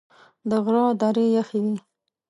د غره درې یخي وې .